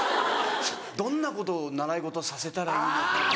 どんなことを習い事させたらいいのかとか。